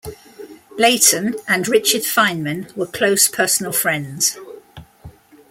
Leighton and Richard Feynman were close personal friends.